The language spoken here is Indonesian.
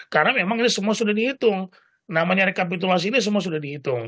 karena memang ini semua sudah dihitung namanya rekapitulasi ini semua sudah dihitung